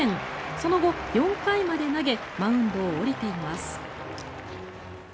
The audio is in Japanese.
その後、４回まで投げマウンドを降りています。